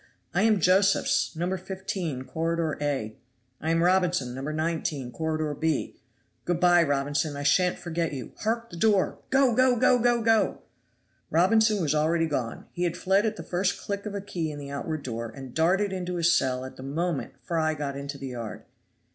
I am Josephs, No. 15, Corridor A." "I am Robinson, No. 19, Corridor B." "Good bye, Robinson, I shan't forget you. Hark, the door! Go! go! go! go! go!" Robinson was already gone. He had fled at the first click of a key in the outward door, and darted into his cell at the moment Fry got into the yard.